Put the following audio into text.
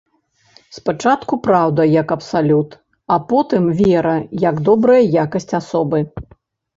Спачатку праўда як абсалют, а потым вера як добрая якасць асобы.